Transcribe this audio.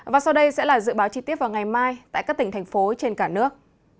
và sau đây sẽ là dự báo chi tiết vào ngày mai tại các tỉnh thành phố trên cả nước